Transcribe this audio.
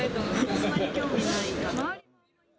あんまり興味ないかな。